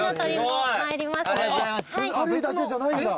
ハリーだけじゃないんだ。